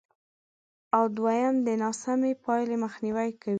او دوېم د ناسمې پایلې مخنیوی کوي،